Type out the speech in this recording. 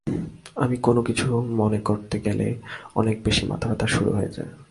আমি কোনো কিছু মনে করতে গেলে অনেক বেশি মাথা ব্যথা শুরু হয়ে যায়।